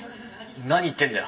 何言ってんだよ。